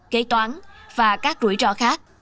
kế toán và các rủi ro khác